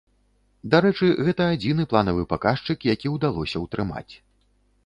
Дарэчы, гэта адзіны планавы паказчык, які ўдалося ўтрымаць.